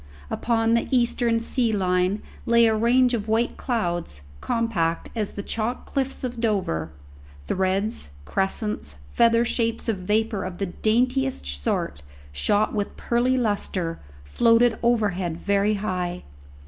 Upon the eastern sea line lay a range of white clouds, compact as the chalk cliffs of Dover; threads, crescents, feather shapes of vapour of the daintiest sort, shot with pearly lustre, floated overhead very high.